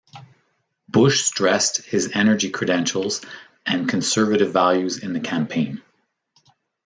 Bush stressed his energy credentials and conservative values in the campaign.